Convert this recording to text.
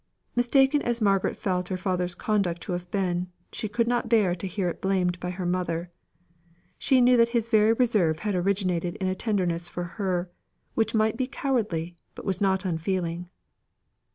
Mistaken as Margaret felt her father's conduct to have been, she could not bear to hear it blamed by her mother. She knew that his very reserve had originated in a tenderness for her, which might be cowardly, but was not unfeeling.